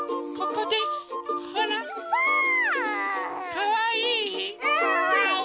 かわいい！